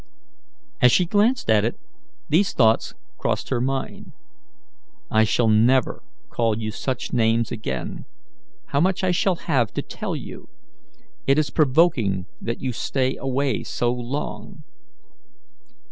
And as she glanced at it, these thoughts crossed her mind: "I shall never call you such names again. How much I shall have to tell you! It is provoking that you stay away so long."